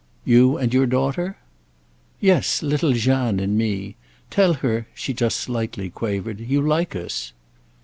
"You and your daughter?" "Yes—little Jeanne and me. Tell her," she just slightly quavered, "you like us."